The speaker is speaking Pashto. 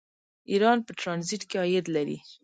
ایران په ټرانزیټ کې عاید لري.